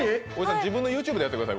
自分のＹｏｕＴｕｂｅでやってください。